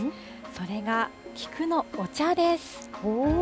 それが菊のお茶です。